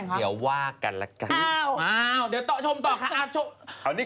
เดี๋ยวว่ากันละกัน